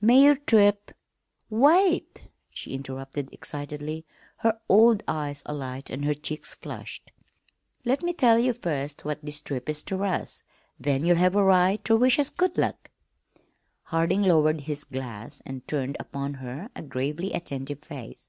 "May your trip " "Wait!" she interrupted excitedly, her old eyes alight and her cheeks flushed. "Let me tell ye first what this trip is ter us, then ye'll have a right ter wish us good luck." Harding lowered his glass and turned upon her a gravely attentive face.